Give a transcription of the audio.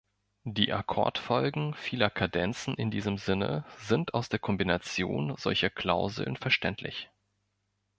Die Akkordfolgen vieler Kadenzen in diesem Sinne sind aus der Kombination solcher Klauseln verständlich.